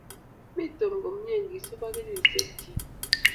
mi Tom komyee ngisub ak kenyisheck chii